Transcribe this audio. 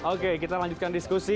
oke kita lanjutkan diskusi